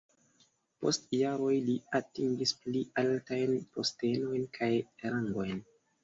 Post jaroj li atingis pli altajn postenojn kaj rangojn.